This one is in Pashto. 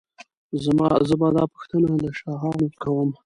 زه به دا پوښتنه له شاهانو کوم.